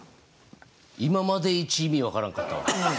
今までイチ意味分からんかったわ。